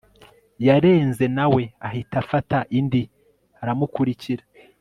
yarenze nawe ahita afata indi aramukurikira